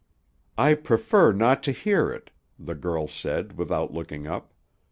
"I prefer not to hear it," the girl said, without looking up.